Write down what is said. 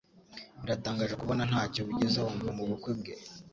Biratangaje kubona ntacyo wigeze wumva mubukwe bwe